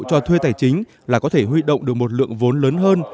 cho thuê tài chính là có thể huy động được một lượng vốn lớn hơn